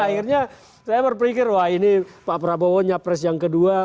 akhirnya saya berpikir wah ini pak prabowo nyapres yang kedua